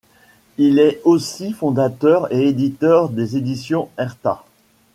Il est aussi fondateur et éditeur des Éditions Erta.